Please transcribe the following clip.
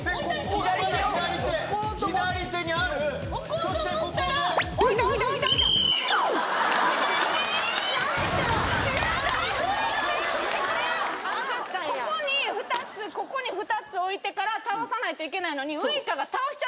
ここに２つここに２つ置いてから倒さないといけないのに。